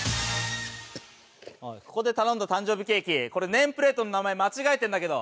ここで頼んだ誕生日ケーキ、これ、ネームプレートの名前、間違えてんだけど。